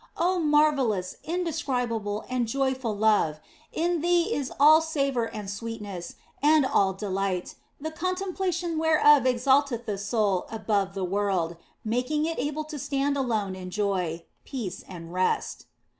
Oh marvellous, indescribable, and joyful love, in Thee is all savour and sweetness and all delight, the contempla tion whereof exalteth the soul above the world, making it able to stand alone in joy, peace and rest.